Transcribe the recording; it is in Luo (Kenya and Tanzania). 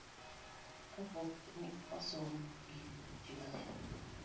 ka po ni osom gi ji mang'eny